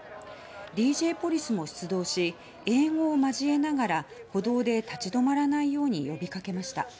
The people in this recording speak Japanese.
ＤＪポリスも出動し英語を交えながら歩道で立ち止まらないように呼びかけました。